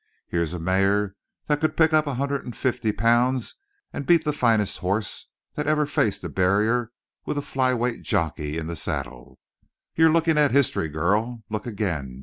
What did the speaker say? Here's a mare that could pick up a hundred and fifty pounds and beat the finest horse that ever faced a barrier with a fly weight jockey in the saddle. You're looking at history, girl! Look again!